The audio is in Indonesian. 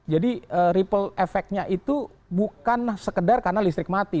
jadi ripple effectnya itu bukan sekedar karena listrik mati